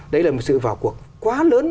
đấy là một sự vào cuộc quá lớn